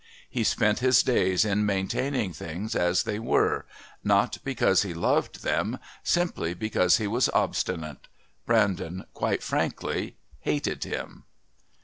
He spent his days in maintaining things as they were, not because he loved them, simply because he was obstinate. Brandon quite frankly hated him.